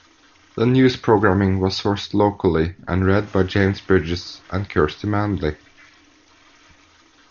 The News programming was sourced locally and read by James Brydges and Kirsty Manley.